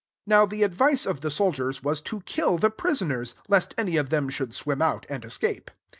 42 Now the advice of the soldiers was, to kill the pri soners ; lest any of them should swim out, and escape.